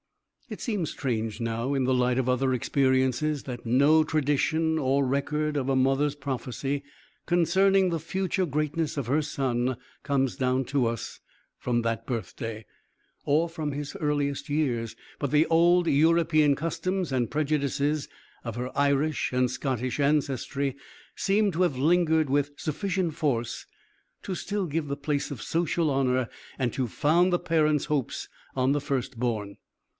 It seems strange now, in the light of other experiences, that no tradition or record of a mother's prophecy concerning the future greatness of her son comes down to us from that birthday, or from his earliest years. But the old European customs and prejudices of her Irish and Scottish ancestry seem to have lingered with sufficient force to still give the place of social honor and to found the parent's hopes on the first born.